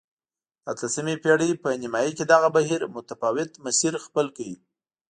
د اتلسمې پېړۍ په نیمايي کې دغه بهیر متفاوت مسیر خپل کړ.